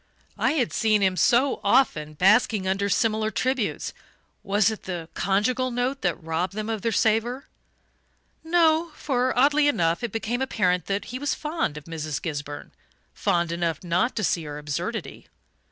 I had seen him, so often, basking under similar tributes was it the conjugal note that robbed them of their savour? No for, oddly enough, it became apparent that he was fond of Mrs. Gisburn fond enough not to see her absurdity.